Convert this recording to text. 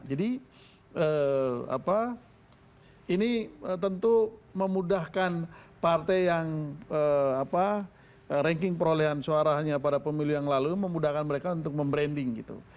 jadi ini tentu memudahkan partai yang ranking perolehan suaranya pada pemilih yang lalu memudahkan mereka untuk membranding gitu